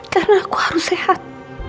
karena aku harus sehat